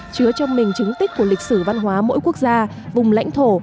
chứa trong mình chứng tích của lịch sử văn hóa mỗi quốc gia vùng lãnh thổ